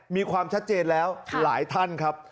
มีความชัดเจนแล้วหลายท่านครับ